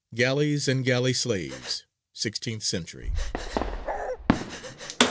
GALLEYS AND GALLEY SLAVES. 16th Century.